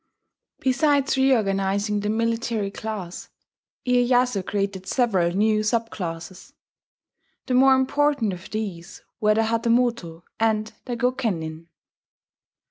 Besides reorganizing the military class, Iyeyasu created several new subclasses. The more important of these were the hatamoto and the gokenin.